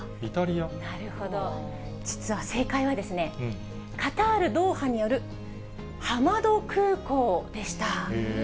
なるほど、実は正解はカタール・ドーハにあるハマド空港でした。